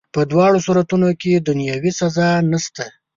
په دواړو صورتونو کي دنیاوي سزا نسته.